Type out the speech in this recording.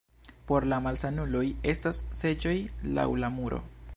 Por la malsanuloj estas seĝoj laŭ la muro.